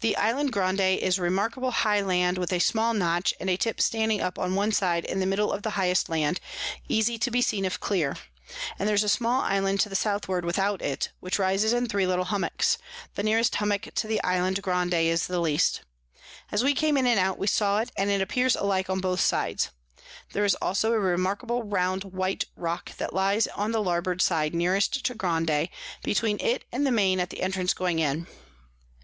The Island Grande is remarkable high Land, with a small Notch, and a Tip standing up on one side in the middle of the highest Land, easy to be seen if clear; and there's a small Island to the Southward without it, which rises in three little Hummocks; the nearest Hummock to the Island Grande is the least. As we came in and out, we saw it, and it appears alike on both sides: there is also a remarkable round white Rock that lies on the Larboard side nearest to Grande, between it and the Main at the Entrance going in.